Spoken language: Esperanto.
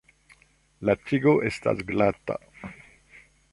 La tigo estas glata.